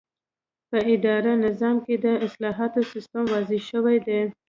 په اداري نظام کې د اصلاحاتو سیسټم واضح شوی دی.